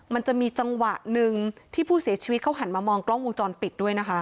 มันจะมีจังหวะหนึ่งที่ผู้เสียชีวิตเขาหันมามองกล้องวงจรปิดด้วยนะคะ